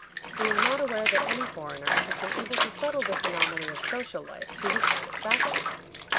We are not aware that any foreigner has been able to settle this anomaly of social life to his satisfaction.